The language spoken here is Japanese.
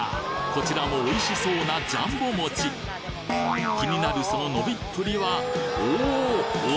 こちらもおいしそうなジャンボ餅気になるその伸びっぷりはおお！